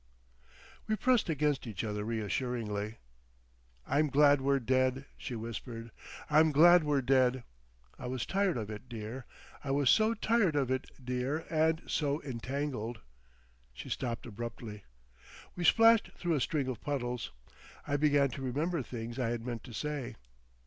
We pressed against each other reassuringly. "I'm glad we're dead," she whispered. "I'm glad we're dead. I was tired of it, dear. I was so tired of it, dear, and so entangled." She stopped abruptly. We splashed through a string of puddles. I began to remember things I had meant to say.